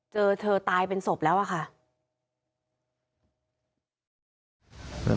เจอเธอตายเป็นศพแล้วอะค่ะ